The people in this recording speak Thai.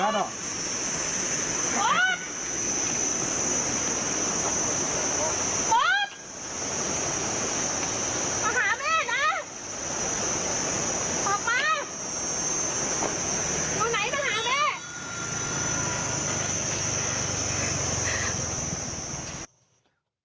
มาหาแม่นะ